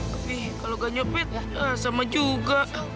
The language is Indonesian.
tapi kalau nggak nyopet sama juga